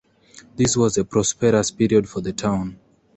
This was a prosperous period for the town.